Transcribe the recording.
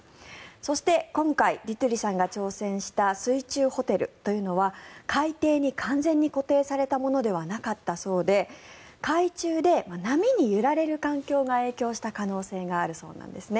そして、今回ディトゥリさんが挑戦した水中ホテルというのは海底に完全に固定されたものではなかったそうで海中で波に揺られる環境が影響した可能性があるそうです。